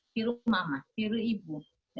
tiru mama tiru ibu